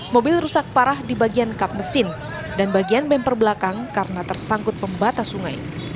mobil rusak parah di bagian kap mesin dan bagian bemper belakang karena tersangkut pembatas sungai